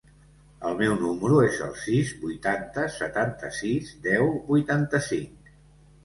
El meu número es el sis, vuitanta, setanta-sis, deu, vuitanta-cinc.